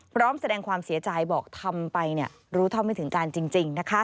พร้อมแสดงความเสียใจบอกทำไปรู้เท่าไม่ถึงการจริง